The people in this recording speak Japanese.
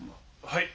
はい。